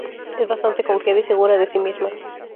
Es bastante confiada y segura de sí misma.